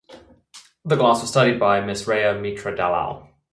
The glass was studied by Ms. Rhea Mitra-Dalal.